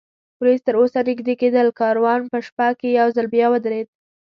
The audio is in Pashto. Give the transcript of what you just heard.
ورېځ تراوسه نږدې کېدل، کاروان په شپه کې یو ځل بیا ودرېد.